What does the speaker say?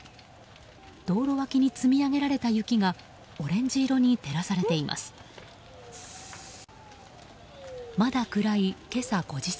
道路脇に積み上げられた雪がオレンジ色に照らされています。